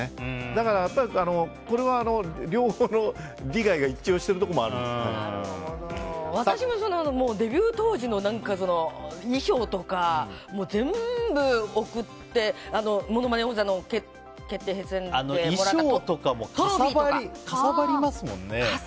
だから、これは両方の利害が一致してるところも私もデビュー当時の衣装とか全部、送って「ものまね王座決定戦」で衣装とかもかさばりますもんね。